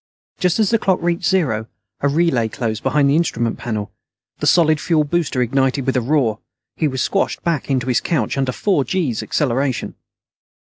Just as the clock reached zero, a relay closed behind the instrument panel. The solid fuel booster ignited with a roar. He was squashed back into his couch under four gees' acceleration.